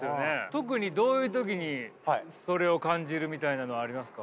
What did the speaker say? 特にどういう時にそれを感じるみたいなのありますか？